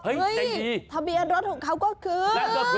ทะเบียนรถของเขาก็คือ